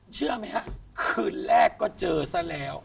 เชื่อไหมฮะคืนแรกก็เจอซะแล้ว